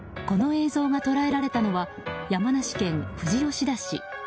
この映像が捉えられたのは山梨県富士吉田市。